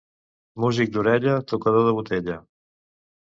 Músic d'orella, tocador de botella.